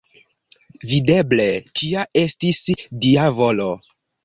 Videble, tia estis Dia volo.